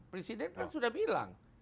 presiden kan sudah bilang